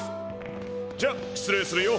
じゃ失礼するよ。